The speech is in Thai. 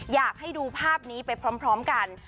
อยากให้ดูภาพนี้ไปพร้อมกัน